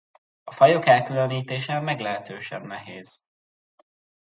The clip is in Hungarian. A fajok elkülönítése meglehetősen nehéz.